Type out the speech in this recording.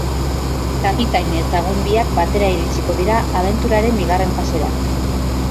Kapitain ezagun biak batera iritsiko dira abenturaren bigarren fasera.